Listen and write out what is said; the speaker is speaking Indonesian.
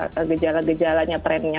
apa gejala gejalanya trennya